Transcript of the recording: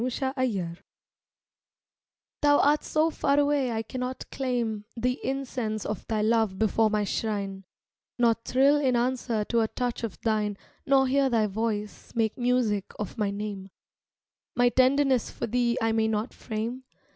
Hbsence HOU art so far away I cannot claim The incense of thy love before my shrine, Nor thrill in answer to a touch of thine, Nor hear thy voice make music of my name; My tenderness for thee I may not frame.